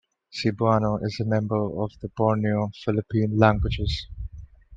Cebuano is a member of the Borneo-Philippine languages.